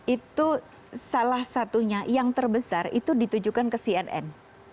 itu salah satunya yang terbesar itu ditujukan ke cnn